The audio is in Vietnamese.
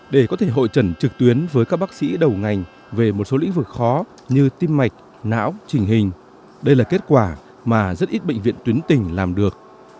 để có thể hội trần trực tuyến với các bác sĩ đầu ngành về một số lĩnh vực khó như tim mạch não trình hình đây là kết quả mà rất ít bệnh viện tuyến tỉnh làm được